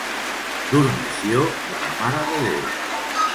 Dormició de la Mare de Déu.